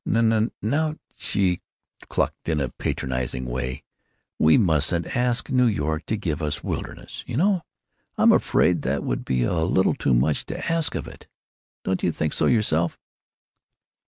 "N n n now!" she clucked in a patronizing way. "We mustn't ask New York to give us wilderness, you know! I'm afraid that would be a little too much to ask of it! Don't you think so yourself!"